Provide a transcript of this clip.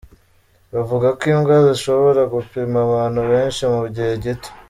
Bavuga ko imbwa zishobora gupima abantu benshi mu gihe gito.